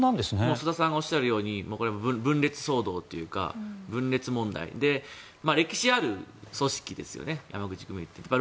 須田さんがおっしゃるように分裂騒動というか分裂問題で歴史ある組織ですよね山口組は。